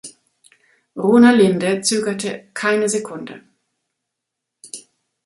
Rona Linde zögerte keine Sekunde.